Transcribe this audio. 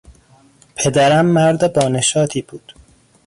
پدرم مرد با نشاطی بود.